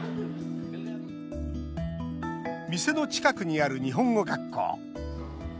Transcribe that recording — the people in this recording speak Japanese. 店の近くにある日本語学校。